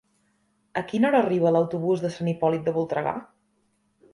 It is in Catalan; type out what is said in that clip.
A quina hora arriba l'autobús de Sant Hipòlit de Voltregà?